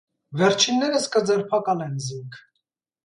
Վերջիններս կը ձերբակալեն զինք։